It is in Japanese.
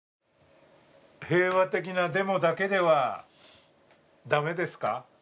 平和的なデモだけでは駄目ですか？